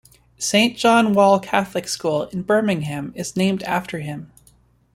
Saint John Wall Catholic School in Birmingham is named after him.